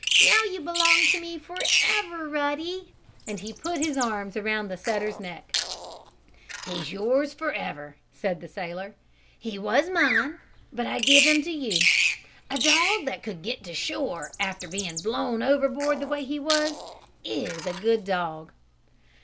"Now you belong to me forever, Ruddy!" and he put his arms around the setter's neck. "Yes, he's yours forever," said the sailor. "He was mine, but I give him to you. A dog that could get to shore after being blown overboard the way he was, is a good dog!"